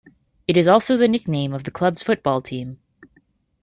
It is also the nickname of the club's football team.